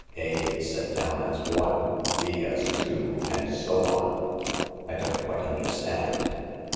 A is set down as one, B as two, and so on." " I don't quite understand."